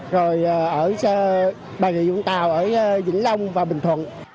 rồi ở bà rịa vũng tàu ở vĩnh long và bình thuận